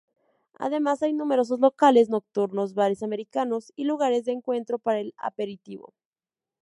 Además hay numerosos locales nocturnos, bares americanos y lugares de encuentro para el aperitivo.